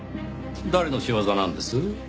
誰の仕業なんです？